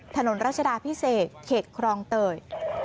ถนนรัชดาพิเศษเขตครองเตย